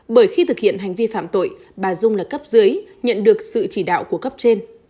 bởi khi thực hiện hành vi phạm tội bà dung là cấp dưới nhận được sự chỉ đạo của cấp trên